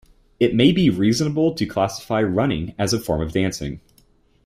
It may be reasonable to classify running as a form of dancing.